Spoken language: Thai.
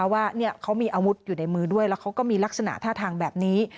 ว่าเขามีอาวุธอยู่ในมือด้วยแล้วเขาก็มีลักษณะท่าทางแบบนี้